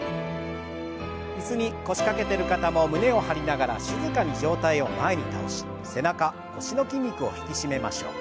椅子に腰掛けてる方も胸を張りながら静かに上体を前に倒し背中腰の筋肉を引き締めましょう。